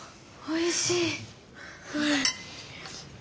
おいしい。